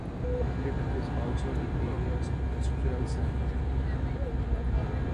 It is also the area's industrial centre.